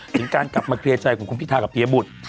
ถึงการกลับมาเคลียร์ใจของคุณพิทากับเฮียบุตร